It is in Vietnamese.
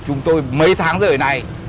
chúng tôi mấy tháng rời này